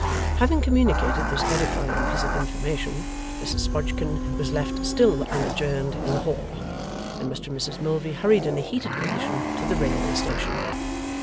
Having communicated this edifying piece of information, Mrs Sprodgkin was left still unadjourned in the hall, and Mr and Mrs Milvey hurried in a heated condition to the railway station.